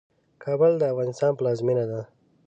کابل د افغانستان پلازمينه ده.